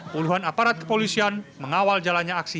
puluhan aparat kepolisian mengawal jalannya aksi